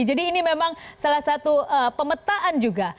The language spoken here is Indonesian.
jadi ini memang salah satu pemetaan juga